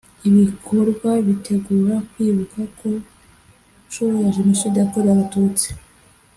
Ibikorwa bitegura kwibuka ku nshuro ya jenoside yakorewe abatutsi